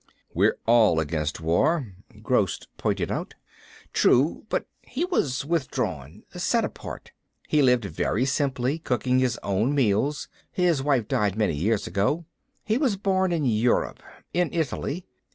"We're all against war," Gross pointed out. "True. But he was withdrawn, set apart. He lived very simply, cooking his own meals. His wife died many years ago. He was born in Europe, in Italy.